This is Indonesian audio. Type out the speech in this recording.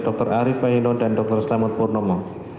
dr arief baino dan dr selamat purnomo